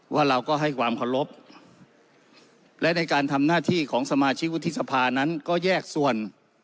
ว่าเราก็ให้ความเคารพและในการทำหน้าที่ของสมาชิกวุฒิสภานั้นก็แยกส่วน